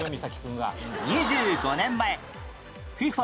２５年前 ＦＩＦＡ